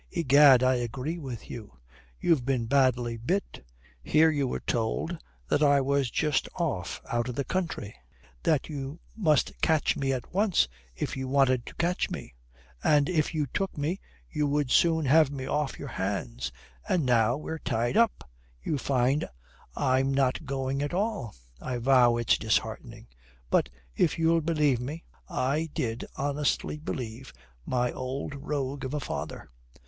Egad, I agree with you. You've been badly bit. Here you were told that I was just off out of the country; that you must catch me at once if you wanted to catch me; that if you took me you would soon have me off your hands. And now we're tied up, you find I'm not going at all. I vow it's disheartening. But if you'll believe me, I did honestly believe my old rogue of a father.